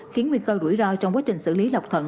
khiến nguy cơ rủi ro trong quá trình xử lý lọc thận